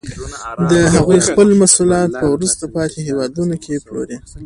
هغوی خپل محصولات په وروسته پاتې هېوادونو کې پلوري